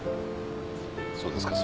そうですか。